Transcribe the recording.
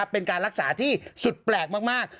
เป็นการรักษาที่สุดแปลกมาก